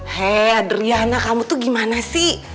hei adriana kamu tuh gimana sih